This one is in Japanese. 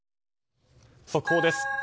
速報です。